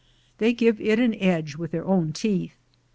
They give it an edge with their own teeth.